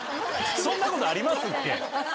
そんなことあります？